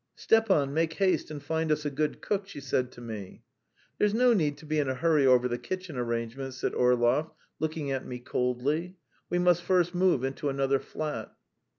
"Stepan, make haste and find us a good cook," she said to me. "There's no need to be in a hurry over the kitchen arrangements," said Orlov, looking at me coldly. "We must first move into another flat."